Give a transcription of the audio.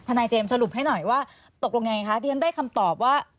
นายเจมส์สรุปให้หน่อยว่าตกลงยังไงคะที่ฉันได้คำตอบว่า